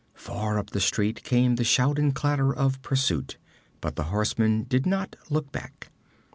Far up the street came the shout and clatter of pursuit, but the horseman did not look back.